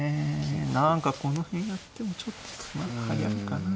何かこの辺やってもちょっと何か早いかな。